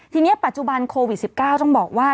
ทีนี้ปัจจุบันโควิด๑๙ต้องบอกว่า